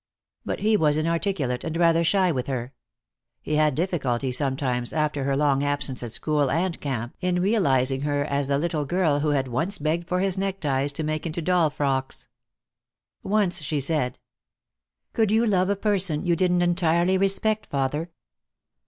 But he was inarticulate and rather shy with her. He had difficulty, sometimes, after her long absence at school and camp, in realizing her as the little girl who had once begged for his neckties to make into doll frocks. Once she said: "Could you love a person you didn't entirely respect, father?"